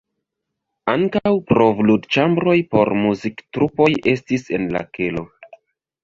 Ankaŭ provludĉambroj por muziktrupoj estis en la kelo.